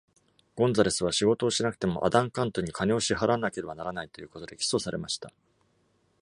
ゴンザレスは仕事をしなくてもアダンカントゥに金を支払わなければならないということで起訴されました。